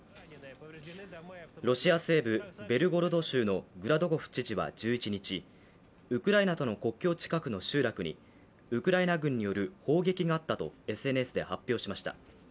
ロシア西部ベルゴロド州のグラドコフ知事は１１日、ウクライナとの国境近くの集落にウクライナ軍による砲撃があったとＳＮＳで発表しました。